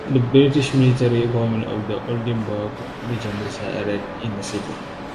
The British military government of the Oldenburg region resided in the city.